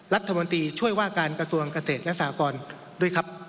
รัฐมนตรีช่วยว่าการกระทรวงเกษตรและสากรด้วยครับ